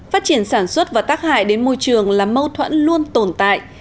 phát triển sản xuất và tác hại đến môi trường là mâu thuẫn luôn tồn tại